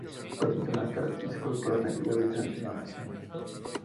Presenta un característico color negro y habita en la Amazonía.